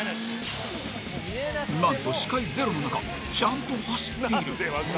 なんと視界ゼロの中ちゃんと走っている。